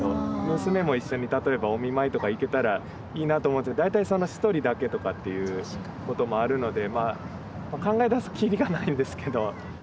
娘も一緒に例えばお見舞いとか行けたらいいなと思うんですけど大体１人だけとかっていうこともあるので考え出すとキリがないんですけど。